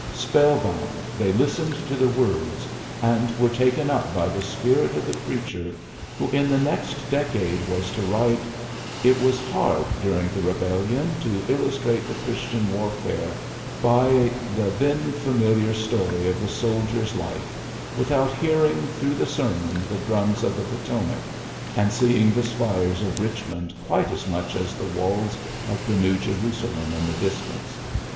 Spell bound they lis tened to the words, and were taken iip 6 PHILLIPS BEOOKS by the spirit of the preacher who in the next decade was to write, ^^ It was hard during the Eebellion to illustrate the Christian warfare by the then familiar story of the soldier's life without hear ing through the sermon the drums of the Potomac, and seeing the spires of Eichmond quite as much as the walls of the New Jerusalem in the distance."